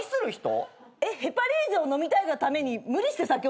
ヘパリーゼを飲みたいがために無理して酒を飲む人？